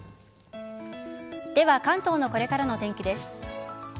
では、関東のこれからのお天気です。